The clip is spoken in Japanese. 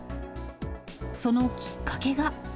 そのきっかけが。